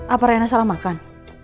apa rena salah makan